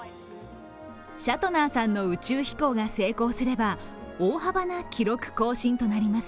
シャトナーさんの宇宙飛行が成功すれば大幅な記録更新となります。